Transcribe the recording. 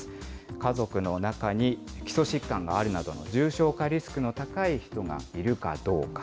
家族の中に基礎疾患があるなどの重症化リスクの高い人がいるかどうか。